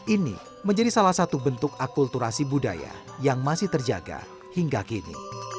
ini menjadi salah satu bentuk akulturasi budaya yang masih terjaga hingga kini